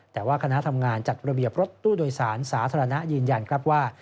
แต่ว่าคณะทำงานจัดระเบียบรถตู้โดยสารสาธารณะยืนยันครับว่า